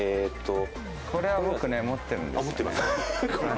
これ僕、持ってるんですよ。